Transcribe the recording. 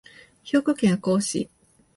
兵庫県赤穂市